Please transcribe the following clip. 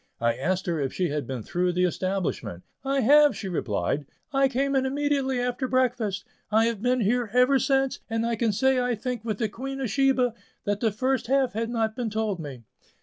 I asked her if she had been through the establishment. "I have," she replied; "I came in immediately after breakfast; I have been here ever since, and, I can say I think with the Queen of Sheba, that 'the half had not been told me.